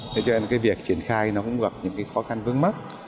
thế cho nên cái việc triển khai nó cũng gặp những cái khó khăn vướng mắt